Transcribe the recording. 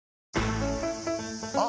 あ！